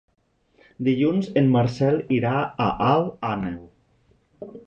Dilluns en Marcel irà a Alt Àneu.